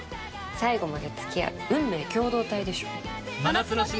最後まで付き合う運命共同体でしょ。